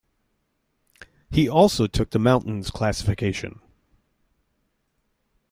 He also took the mountains classification.